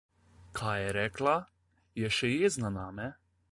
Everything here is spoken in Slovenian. Kaj je rekla? Je še jezna name?